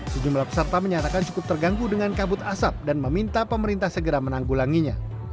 sejumlah peserta menyatakan cukup terganggu dengan kabut asap dan meminta pemerintah segera menanggulanginya